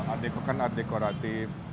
art deko kan art dekoratif